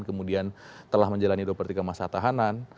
kemudian telah menjalani dua per tiga masa tahanan